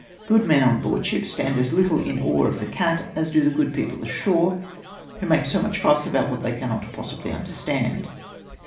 Good men on board ship stand as little in awe of the cat as do the good people ashore — who make so much fuss about what they cannot possibly understand.